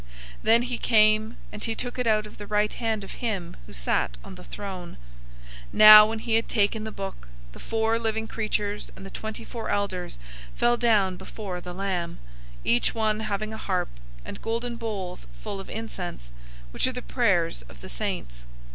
005:007 Then he came, and he took it out of the right hand of him who sat on the throne. 005:008 Now when he had taken the book, the four living creatures and the twenty four elders fell down before the Lamb, each one having a harp, and golden bowls full of incense, which are the prayers of the saints.